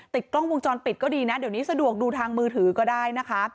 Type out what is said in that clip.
ติดกล้องวงจรปิดก็ดีนะเดี๋ยวนี้สะดวกดูทางมือถือก็ได้นะคะ